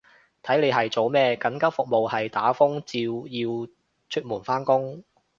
睇你係做咩，緊急服務係打風照要出門返工